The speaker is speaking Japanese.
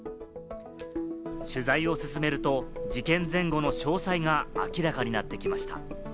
取材を進めると、事件前後の詳細が明らかになってきました。